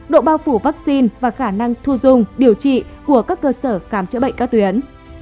độ bao phủ vaccine và khả năng thu dung điều trị của các cơ sở khám chữa bệnh các tuyến